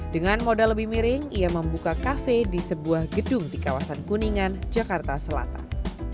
dengan modal lebih miring ia membuka kafe di sebuah gedung di kawasan kuningan jakarta selatan